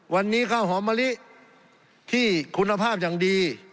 วันนี้ข้าวหอมมะลิที่คุณภาพอย่างดี